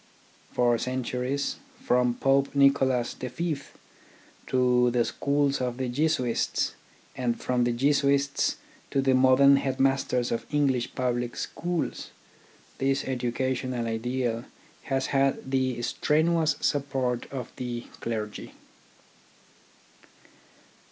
For centuries, from Pope Nicholas V to the schools of the Jesuits, and from the Jesuits to the modern headmasters of English public schools, this educational ideal has had the strenuous support of the clergy.